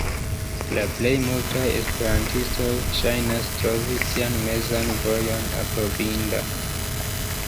La plej multaj esperantistoj ŝajnas trovi tian mezan vojon aprobinda.